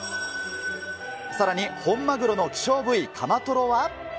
さらに本マグロの希少部位、カマトロは。